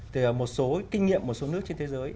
thì một số kinh nghiệm một số nước trên thế giới